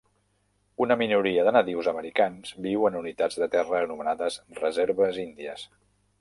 Una minoria de nadius americans viu en unitats de terra anomenades reserves índies.